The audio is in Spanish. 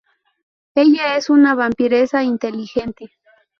Ella es una vampiresa inteligente.